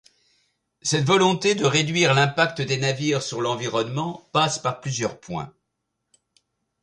Cette volonté de réduire l'impact des navires sur l'environnement passe par plusieurs points.